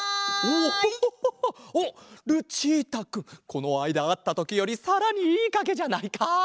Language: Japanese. このあいだあったときよりさらにいいかげじゃないか！